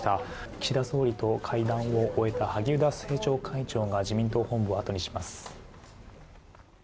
岸田総理と会談を終えた萩生田政調会長が自民党本部をあとにします。